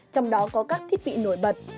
trong đó có các thiết bị nổi bật